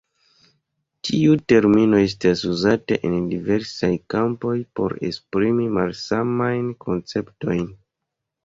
Tiu termino estas uzata en diversaj kampoj por esprimi malsamajn konceptojn.